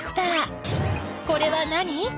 これは何？